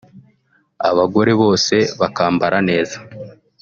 abagore bose bakambara neza